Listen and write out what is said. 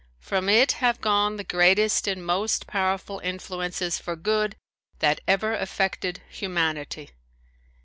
From it have gone the greatest and most powerful influences for good that ever affected humanity.